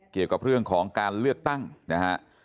เกี่ยวกับเรื่องของการเลือกตั้งนะฮะ